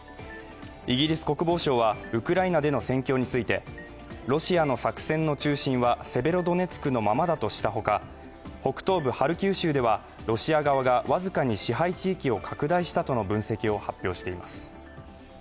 イギリス国防省はウクライナでの戦況についてロシアの作戦の中心はセベロドネツクのままだとしたほか、北東部ハルキウ州では、ロシア側が僅かに支配地域を拡大したとの分析を発表しています。